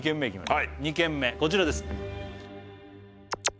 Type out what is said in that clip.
はい２軒目こちらです